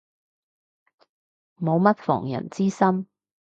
冇乜防人之心